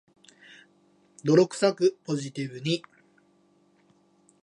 泥臭く、ポジティブに